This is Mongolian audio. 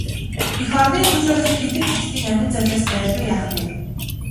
Эх орны төлөө тэр хэдэн хятадын амин золиос байлгүй яах вэ?